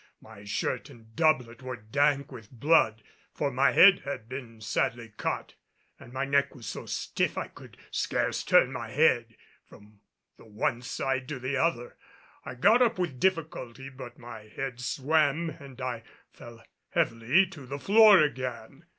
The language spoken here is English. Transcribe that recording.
My shirt and doublet were dank with blood, for my head had been sadly cut; and my neck was so stiff I could scarce turn my head from the one side to the other. I got up with difficulty, but my head swam and I fell heavily to the floor again.